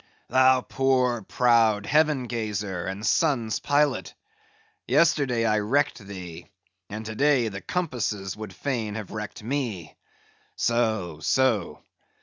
"Thou poor, proud heaven gazer and sun's pilot! yesterday I wrecked thee, and to day the compasses would fain have wrecked me. So, so.